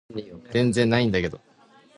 全然ないんだけど